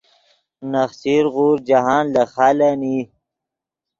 نخچیر غوݰ جاہند لے خالن ای